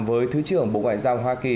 với thứ trưởng bộ ngoại giao hoa kỳ